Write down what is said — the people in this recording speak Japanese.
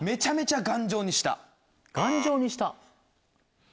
頑丈にした？